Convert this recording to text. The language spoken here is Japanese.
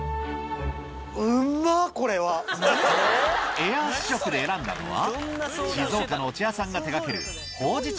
エア試食で選んだのは静岡のお茶屋さんが手がけるほうじ茶